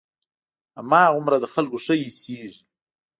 هماغومره د خلقو ښه اېسېږي.